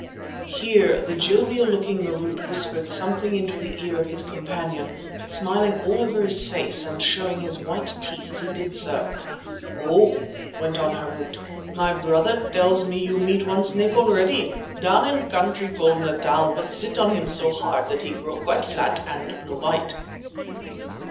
Here the jovial looking Marût whispered something into the ear of his companion, smiling all over his face and showing his white teeth as he did so. "Oh!" went on Harût, "my brother tells me you meet one snake already, down in country called Natal, but sit on him so hard, that he grow quite flat and no bite."